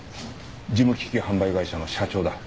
事務機器販売会社の社長だ。